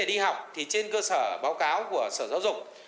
vấn đề đi học thì trên cơ sở báo cáo của sở giáo dục